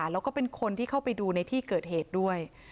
หรือคนที่เข้าไปดูในที่เกิดเหตุด้วย